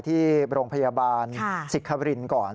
ที่โรงพยาบาลสิกครินก่อน